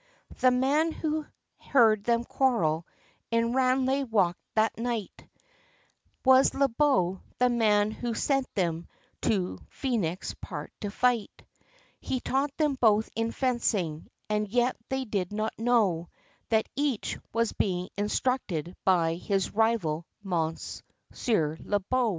The man, who heard them quarrel, in Ranelagh walk that night, Was Le Beau, the man who sent them to Phoenix Park to fight. He taught them both in fencing, and yet they did not know, That each, was being instructed by his rival, Mons. Le Beau.